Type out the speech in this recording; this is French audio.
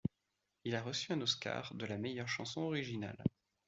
Il a reçu un Oscar de la meilleure chanson originale.